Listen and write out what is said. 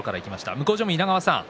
向正面の稲川さん